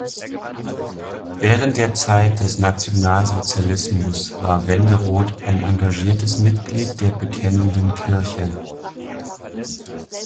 Während der Zeit des Nationalsozialismus war Wenderoth ein engagiertes Mitglied der Bekennenden Kirche.